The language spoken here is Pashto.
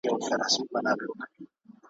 څوک ابدال یو څوک اوتاد څوک نقیبان یو ,